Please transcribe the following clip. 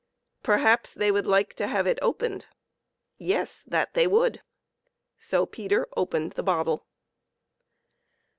Perhaps they would like to have it opened. Yes, that they would. So Peter opened the bottle.